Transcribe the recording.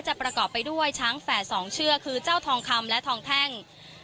ประกอบไปด้วยช้างแฝดสองเชือกคือเจ้าทองคำและทองแท่ง